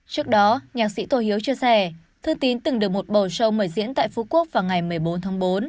trước đó nhạc sĩ tô hiếu chia sẻ thư tín từng được một bầu show mời diễn tại phú quốc vào ngày một mươi bốn tháng bốn